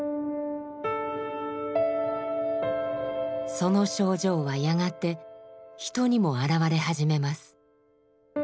その症状はやがて人にも現れ始めます。